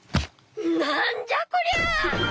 何じゃこりゃ！